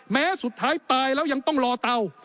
แม้สุดท้ายตายแล้วยังต้องรอเตา